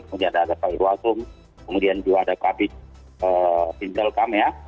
kemudian ada pak irwasung kemudian juga ada kabir bintelkam ya